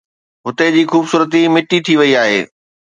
هتي جي خوبصورتي مٽي ٿي وئي آهي